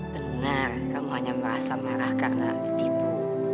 benar kamu hanya merasa marah karena ditipu